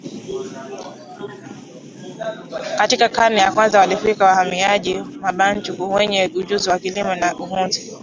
Katika karne ya kwanza walifika wahamiaji Wabantu wenye ujuzi wa kilimo na uhunzi